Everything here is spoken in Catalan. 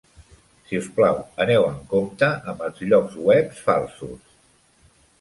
Si us plau, aneu amb compte amb els llocs web falsos.